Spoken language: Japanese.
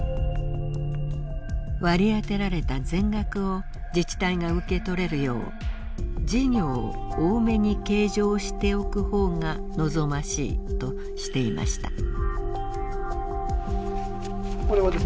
割り当てられた全額を自治体が受け取れるよう「事業を多めに計上しておく方が望ましい」としていました。